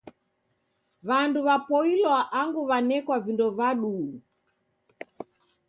W'andu w'apoilwa angu w'anekwa vindo va duu.